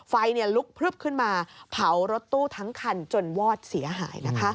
ไฟลุกพลึบขึ้นมาเผารถตู้ทั้งคันจนวอดเสียหายนะคะ